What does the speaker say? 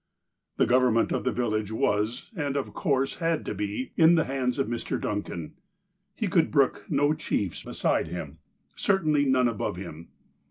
The government of the village was, and of course had to be, in the hands of Mr. Duncan. He could brook no chiefs beside him, certainly none above him.